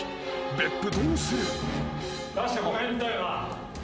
［別府どうする？］